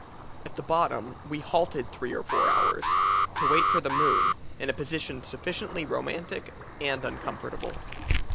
At the bottom we halted three or four hours, to wait for the moon, in a position sufficiently romantic and uncomfortable.